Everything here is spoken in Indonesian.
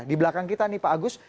di belakang kita nih pak agus